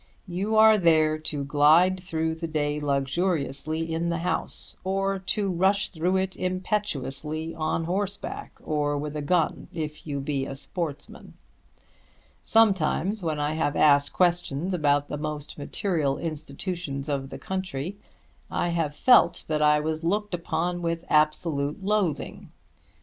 You are there to glide through the day luxuriously in the house, or to rush through it impetuously on horseback or with a gun if you be a sportsman. Sometimes, when I have asked questions about the most material institutions of the country, I have felt that I was looked upon with absolute loathing.